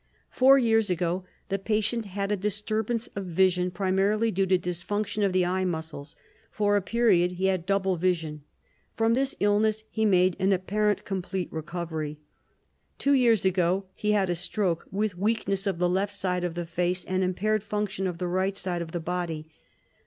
Four years ago, the patient had a disturbance of vision primarily due to dysfunction of the eye muscles. For a period he had double vision. From this illness, he made an apparent complete recovery. Two years ago he had a stroke, with weakness of the left side of the face, and impaired function of the right side of the body.